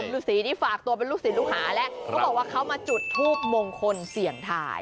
นสุรินทรีย์ที่ฝากตัวเป็นลูกศิลป์ลูกหาพูดว่าเขามาจูดทูปมงคลเศียรไทย